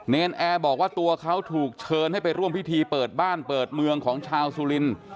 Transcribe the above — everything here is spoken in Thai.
นแอร์บอกว่าตัวเขาถูกเชิญให้ไปร่วมพิธีเปิดบ้านเปิดเมืองของชาวสุรินทร์